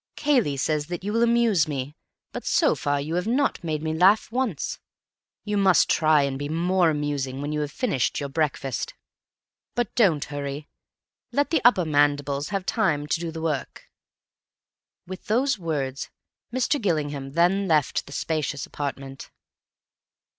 Cayley says that you will amuse me, but so far you have not made me laugh once. You must try and be more amusing when you have finished your breakfast. But don't hurry. Let the upper mandibles have time to do the work." With those words Mr. Gillingham then left the spacious apartment.